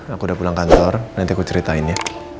aku udah pulang kantor nanti aku ceritain ya